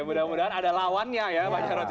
mudah mudahan ada lawannya ya pak jarod ya